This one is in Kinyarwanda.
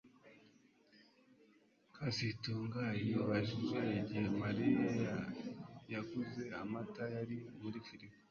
kazitunga yibajije igihe Mariya yaguze amata yari muri firigo